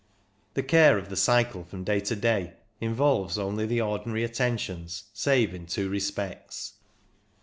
The care of the cycle from day to day involves only the ordinary attentions, save in two respects.